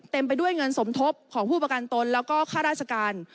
ไปด้วยเงินสมทบของผู้ประกันตนแล้วก็ค่าราชการ